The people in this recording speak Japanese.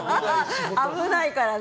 危ないからね。